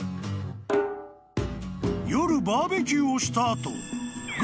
［夜バーベキューをした後］